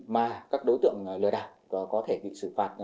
mà các đối tượng lừa đảo có thể bị xử phạt